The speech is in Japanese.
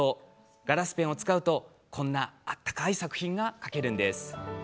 ガラスペンを使うと、このような温かい作品が描けるんです。